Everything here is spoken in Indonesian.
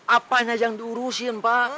apa aja yang diurusin pak